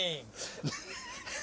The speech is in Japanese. ハハハハ。